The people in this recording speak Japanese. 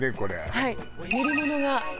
はい練り物が。